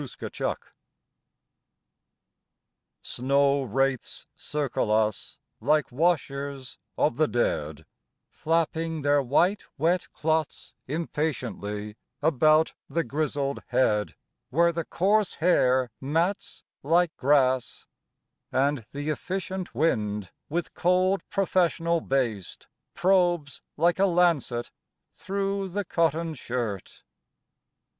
THE FOUNDLING Snow wraiths circle us Like washers of the dead, Flapping their white wet cloths Impatiently About the grizzled head, Where the coarse hair mats like grass, And the efficient wind With cold professional baste Probes like a lancet Through the cotton shirt...